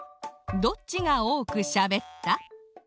どっちがおおくしゃべった？